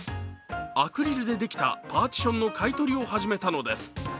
アクリルでできたパーティションの買い取りを始めたのです。